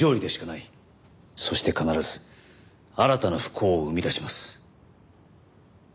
そして必ず新たな不幸を生み出します。